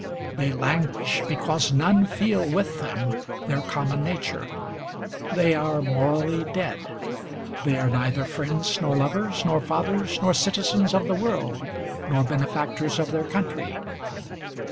They languish, because none feel with them their common nature. They are morally dead. They are neither friends, nor lovers, nor fathers, nor citizens of the world, nor benefactors of their country.